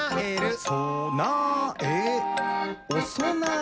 「そなえおそなえ！」